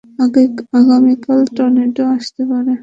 আগামীকাল টর্নেডো আসতে পারে।